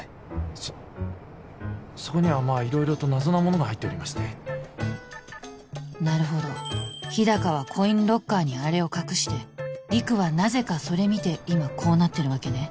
そそこにはまあ色々と謎な物が入っておりましてなるほど日高はコインロッカーにあれを隠して陸はなぜかそれ見て今こうなってるわけね